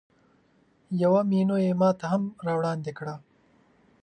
یوه مینو یې ماته هم راوړاندې کړه.